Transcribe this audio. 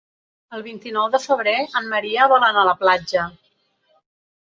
El vint-i-nou de febrer en Maria vol anar a la platja.